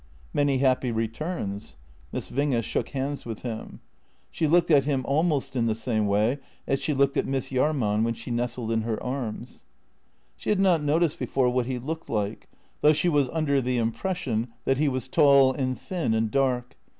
" Many happy returns." Miss Winge shook hands with him. She looked at him almost in the same way as she looked at Miss Jahrman when she nestled in her arms. She had not noticed before what he looked like, though she was under the impression that he was tall and thin and dark.